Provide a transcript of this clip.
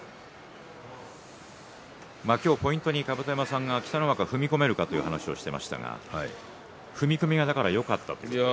今日ポイントに北の若が踏み込めるかという話をしていましたけれども踏み込みがよかったですね。